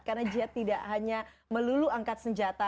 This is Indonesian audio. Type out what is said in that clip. karena jihad tidak hanya melulu angkat senjata